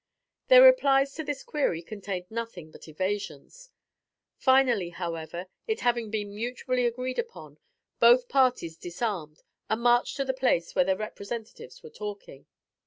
Their replies to this query contained nothing but evasions. Finally, however, it having been mutually agreed upon, both parties disarmed and marched to the place where their representatives were talking.